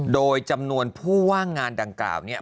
โดยจำนวนผู้ว่างงานดังกล่าวเนี่ย